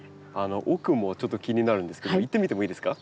奥もちょっと気になるんですけど行ってみてもいいですか？